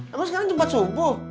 emang sekarang jam empat subuh